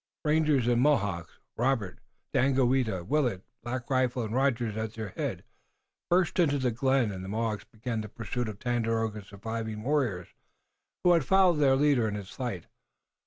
Rangers and Mohawks, Robert, Daganoweda, Willet, Black Rifle and Rogers at their head, burst into the glen and the Mohawks began the pursuit of Tandakora's surviving warriors, who had followed their leader in his flight.